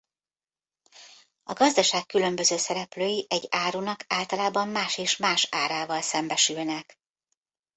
A gazdaság különböző szereplői egy árunak általában más és más árával szembesülnek.